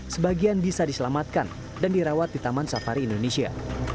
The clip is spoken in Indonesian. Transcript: sebagian bisa diselamatkan dan dirawat di taman safari indonesia